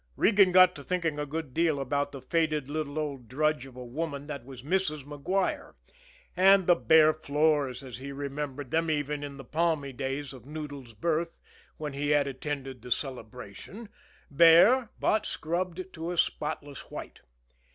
Regan got to thinking a good deal about the faded little old drudge of a woman that was Mrs. Maguire, and the bare floors as he remembered them even in the palmy days of Noodles' birth when he had attended the celebration, bare, but scrubbed to a spotless white.